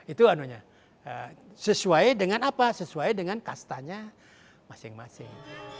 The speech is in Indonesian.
itu anunya sesuai dengan apa sesuai dengan kastanya masing masing